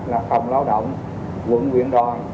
là phòng lao động quận nguyện đoàn